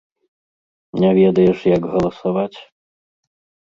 Не ведаеш, як галасаваць?